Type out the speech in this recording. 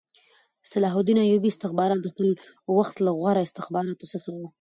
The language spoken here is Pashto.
د صلاح الدین ایوبي استخبارات د خپل وخت له غوره استخباراتو څخه وو